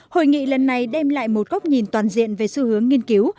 hội nghị lần này đem lại một góc nhìn toàn diện về xu hướng nghiên cứu